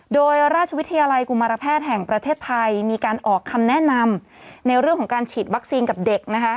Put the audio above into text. โดยราชวิทยาลัยกุมารแพทย์แห่งประเทศไทยมีการออกคำแนะนำในเรื่องของการฉีดวัคซีนกับเด็กนะคะ